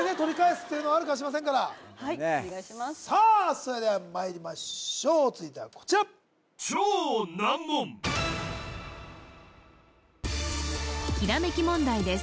それではまいりましょう続いてはこちらひらめき問題です